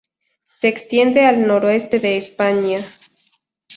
Se extiende al noreste de España.